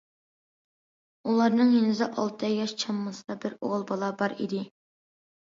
ئۇلارنىڭ يېنىدا ئالتە ياش چامىسىدا بىر ئوغۇل بالا بار ئىدى.